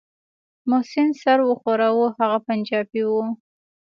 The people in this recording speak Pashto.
محسن سر وښوراوه هغه پنجابى و.